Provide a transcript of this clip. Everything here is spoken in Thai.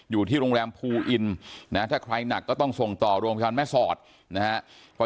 อยู่ที่โรงแรมภูอินนะถ้าใครหนักก็ต้องส่งต่อโรงพยาบาลแม่สอดนะฮะ